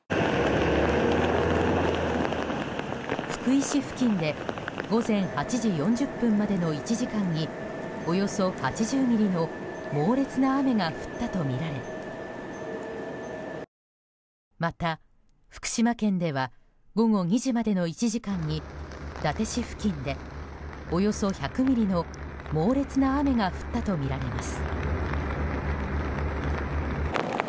福井市付近で午前８時４０分までの１時間におよそ８０ミリの猛烈な雨が降ったとみられまた、福島県では午後２時までの１時間に伊達市付近でおよそ１００ミリの猛烈な雨が降ったとみられます。